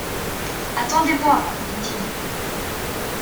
Attendez-moi, dit-il.